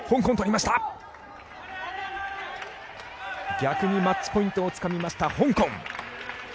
逆にマッチポイントをつかみました、香港。